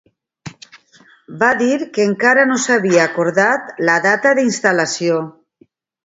Va dir que encara no s'havia acordat la data d'instal·lació.